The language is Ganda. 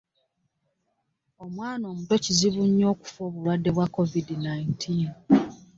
Omwana omuto kizibu nnyo okufa obulwadde bwa covid nineteen